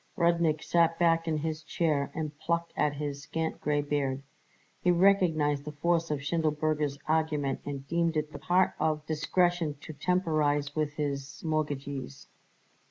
Rudnik sat back in his chair and plucked at his scant gray beard. He recognized the force of Schindelberger's argument and deemed it the part of discretion to temporize with his mortgagees.